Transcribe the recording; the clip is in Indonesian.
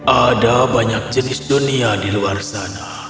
ada banyak jenis dunia di luar sana